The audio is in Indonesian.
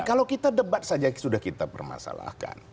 kalau kita debat saja sudah kita permasalahkan